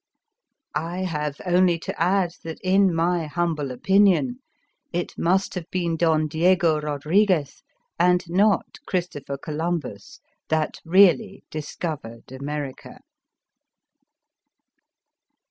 I have only to add that, in my hum ble opinion, it must have been Don Diego Rodriguez, and not Christo pher Columbus, that really discovered America.